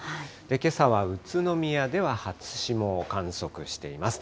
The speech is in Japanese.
けさは宇都宮では初霜を観測しています。